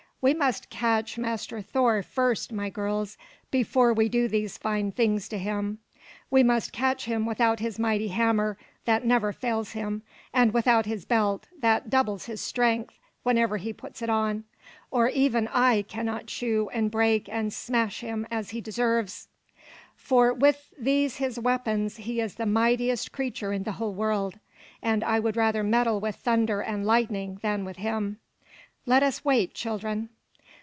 "We must catch Master Thor first, my girls, before we do these fine things to him. We must catch him without his mighty hammer, that never fails him, and without his belt, that doubles his strength whenever he puts it on, or even I cannot chew and break and smash him as he deserves; for with these his weapons he is the mightiest creature in the whole world, and I would rather meddle with thunder and lightning than with him. Let us wait, children."